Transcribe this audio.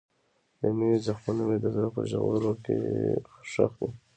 د مینې زخمونه مې د زړه په ژورو کې ښخ دي.